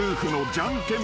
じゃんけん？